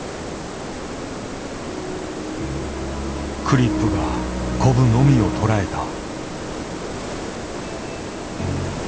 クリップがコブのみを捉えた。